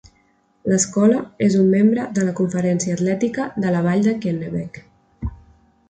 L'escola és un membre de la conferència atlètica de la vall de Kennebec.